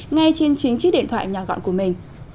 ngay trên chính chiếc điện thoại nhỏ gọn của mình